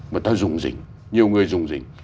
mà ta rùng rỉnh nhiều người rùng rỉnh